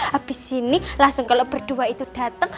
habis sini langsung kalau berdua itu datang